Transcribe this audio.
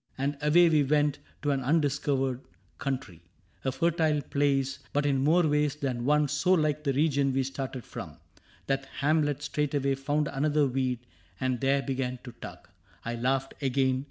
And away we went to an undiscovered country — A fertile place, but in more ways than one So like the region we had started from. That Hamlet straightway found another weed And there began to tug. I laughed again.